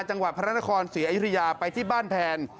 จังหวัดพระนครศรีอยุธยาไปที่บ้านแพน